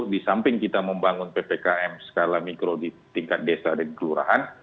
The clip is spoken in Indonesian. di samping kita membangun ppkm skala mikro di tingkat desa dan kelurahan